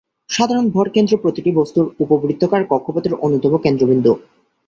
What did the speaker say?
সাধারণ ভরকেন্দ্র প্রতিটি বস্তুর উপবৃত্তাকার কক্ষপথের অন্যতম কেন্দ্রবিন্দু।